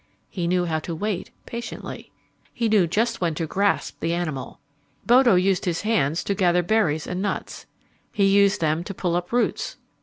He knew how to wait patiently. He knew just when to grasp the animal. Bodo used his hands to gather berries and nuts. He used them to pull up roots.